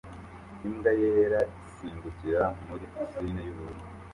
Imbwa yera isimbukira muri pisine y'ubururu